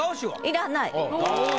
いらない。